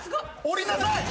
降りなさい！